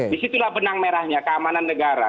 disitulah benang merahnya keamanan negara